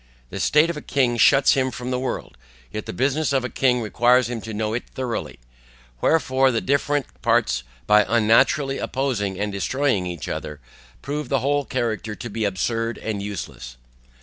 The state of a king shuts him from the world, yet the business of a king requires him to know it thoroughly; wherefore the different parts, by unnaturally opposing and destroying each other, prove the whole character to be absurd and useless.